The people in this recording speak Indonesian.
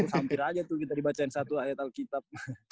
hampir aja tuh kita dibacain satu ayat alkitab